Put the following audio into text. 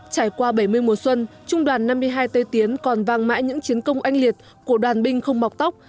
trải qua bảy mươi mùa xuân trung đoàn năm mươi hai tây tiến còn vang mãi những chiến công oanh liệt của đoàn binh không mọc tóc